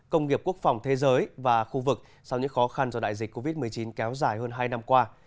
công nghiệp quốc phòng thế giới và khu vực sau những khó khăn do đại dịch covid một mươi chín kéo dài hơn hai năm qua